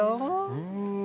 うん。